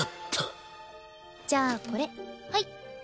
じゃあこれはい。